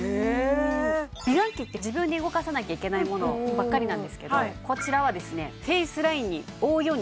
美顔器って自分で動かさなきゃいけないものばっかりなんですけどこちらはですねいや